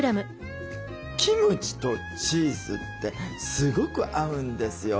キムチとチーズってすごく合うんですよ。